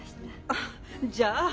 あっじゃあ。